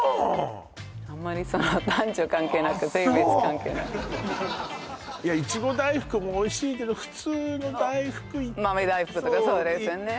あんまり男女関係なく性別関係なくいやいちご大福もおいしいけど普通の大福豆大福とかそうですね